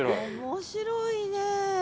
面白いね。